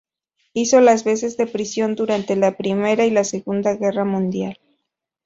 Hizo las veces de prisión durante la Primera y la Segunda Guerra Mundial.